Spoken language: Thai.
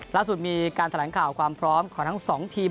ล่าสุดมีการแถลงข่าวความพร้อมของทั้งสองทีม